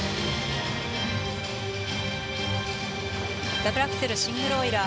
ダブルアクセルシングルオイラー。